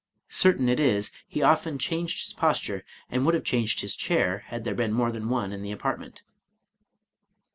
Certain it is, he often changed his posture, and would have changed his chair, had there been more than one in the apartment.